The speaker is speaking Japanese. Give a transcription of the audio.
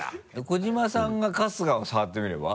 小島さんが春日を触ってみれば？